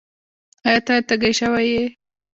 ایا؛ ته تږی شوی یې؟